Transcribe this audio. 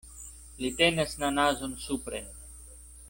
Li tenas la nazon supren.